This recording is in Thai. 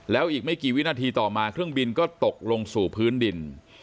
แล้วอีกไม่กี่วินาทีต่อมาเครื่องบินก็ตกลงสู่พื้นดิน